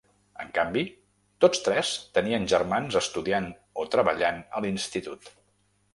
En canvi, tots tres tenien germans estudiant o treballant a l’institut.